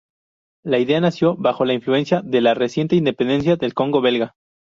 La idea nació bajo la influencia de la reciente independencia del Congo belga.